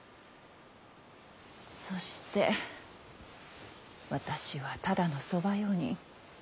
そして私はただの側用人。